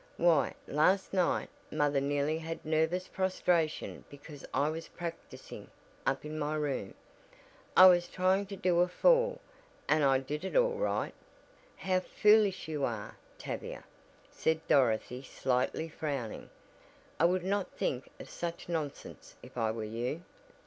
Why, last night mother nearly had nervous prostration because I was practicing up in my room. I was trying to do a fall and I did it all right." "How foolish you are, Tavia," said Dorothy slightly frowning, "I would not think of such nonsense if I were you."